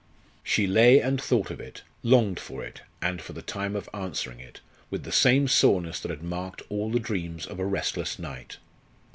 She lay and thought of it longed for it, and for the time of answering it, with the same soreness that had marked all the dreams of a restless night.